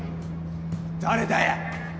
誰だよ！